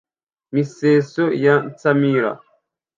miseso ya nsamira.